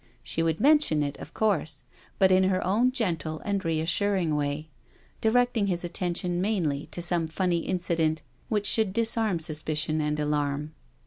She would mention it, of course, but in her own gentle and re assuring way— directing his attention mainly to some funny incident which should disarm suspicion and alarm.